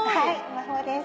魔法です。